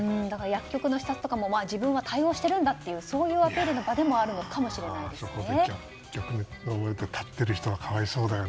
薬局の視察とかも自分は対応してるんだというアピールの場でもあるかもしれないですね。